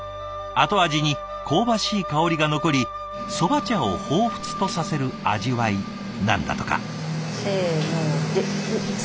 後味に香ばしい香りが残り蕎麦茶をほうふつとさせる味わいなんだとか。